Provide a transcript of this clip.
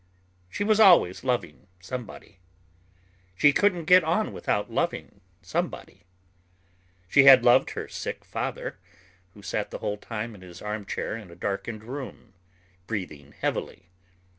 She was always loving somebody. She couldn't get on without loving somebody. She had loved her sick father, who sat the whole time in his armchair in a darkened room, breathing heavily.